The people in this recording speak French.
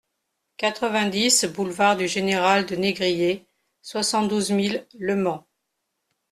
quatre-vingt-dix boulevard du Général de Négrier, soixante-douze mille Le Mans